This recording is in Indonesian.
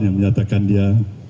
yang menyatakan dia